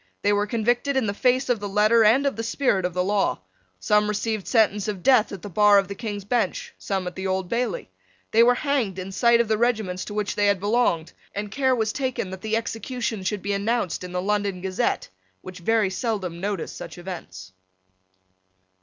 They were convicted in the face of the letter and of the spirit of the law. Some received sentence of death at the bar of the King's Bench, some at the Old Bailey. They were hanged in sight of the regiments to which they had belonged; and care was taken that the executions should be announced in the London Gazette, which very seldom noticed such events.